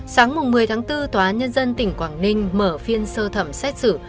sáng một mươi bốn tòa án nhân dân tỉnh quảng ninh mở phiên sơ thẩm xét xử